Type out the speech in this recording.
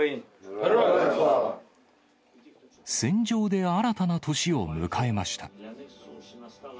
戦場で新たな年を迎えました。